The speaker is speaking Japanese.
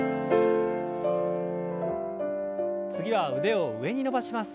次は腕を上に伸ばします。